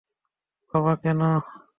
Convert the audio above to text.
বাবা, কেন?